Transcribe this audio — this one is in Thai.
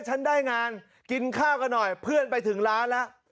ฉันได้งานกินข้าวกันหน่อยเพื่อนไปถึงร้านแล้ว